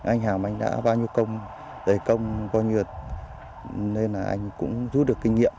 anh hảo mình đã bao nhiêu công giải công bao nhiêu nên là anh cũng rút được kinh nghiệm